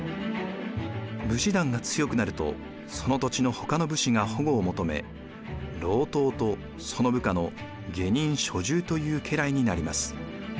武士団が強くなるとその土地のほかの武士が保護を求め郎党とその部下の下人・所従という家来になります。